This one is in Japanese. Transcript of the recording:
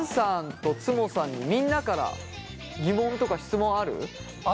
んとつもさんにみんなから疑問とか質問ある？